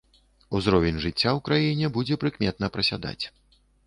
Узровень жыцця ў краіне будзе прыкметна прасядаць.